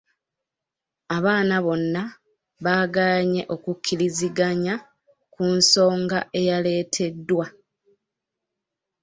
Abaana bonna baagaanye okukkiriziganya ku nsonga eyaleeteddwa.